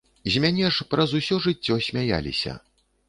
З мяне ж праз усё жыццё смяяліся.